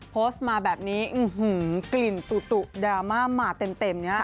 โพสต์มาแบบนี้กลิ่นตุ๊กดราม่ามาเต็ม